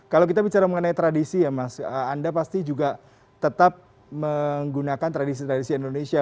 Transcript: kalau kita bicara mengenai tradisi ya mas anda pasti juga tetap menggunakan tradisi tradisi indonesia